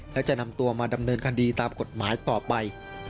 และจะนำตัวมาดำเนินคดีตามกฎหมายต่อไป